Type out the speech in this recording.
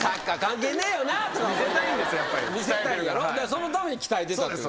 そのために鍛えてたという。